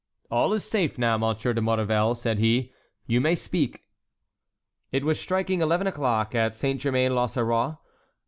"All is safe now, Monsieur de Maurevel," said he; "you may speak." It was striking eleven o'clock at Saint Germain l'Auxerrois.